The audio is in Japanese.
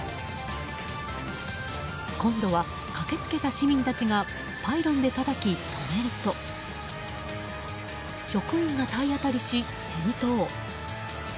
今度は駆け付けた市民たちがパイロンでたたき、止めると職員が体当たりし、転倒。